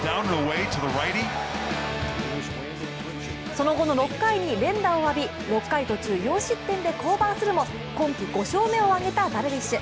その後の６回に連打を浴び、６回途中４失点で降板するも、今季５勝目を挙げたダルビッシュ。